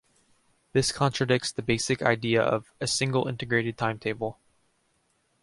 This contradicts the basic idea of "a single Integrated Timetable".